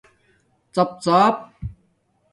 ڎپ ڎاپ